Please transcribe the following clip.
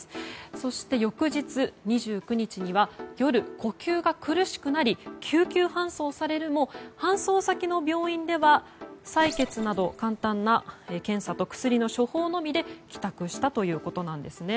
そして翌日、２９日にはよる呼吸が苦しくなり救急搬送されるも搬送先の病院では採血など簡単な検査と薬の処方のみで帰宅したということなんですね。